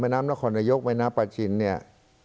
น้ำนครนายกแม่น้ำปลาชินเนี่ย